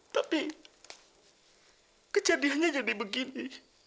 tapi kejadiannya jadi begini